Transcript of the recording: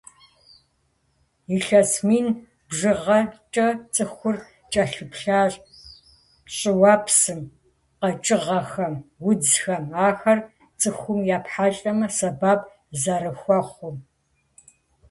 Илъэс мин бжыгъэкӀэ цӀыхур кӀэлъыплъащ щӀыуэпсым, къэкӀыгъэхэм, удзхэм, ахэр цӀыхум епхьэлӀэмэ сэбэп зэрыхуэхъум.